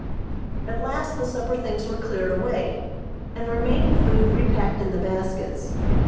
At last the supper things were cleared away, and remaining food repacked in the baskets.